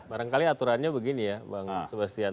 barangkali aturannya begini ya bang sebastian